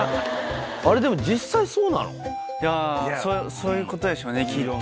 そういうことでしょうねきっと。